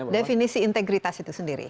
definisi integritas itu sendiri